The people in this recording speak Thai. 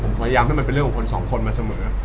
ผมพยายามให้มันเป็นเรื่องของคนสองคนมาเสมอ